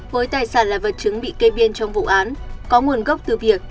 với tài sản là vật chứng bị kê biên trong vụ án có nguồn gốc từ việc